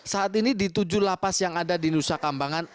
saat ini di tujuh lapas yang ada di nusa kambangan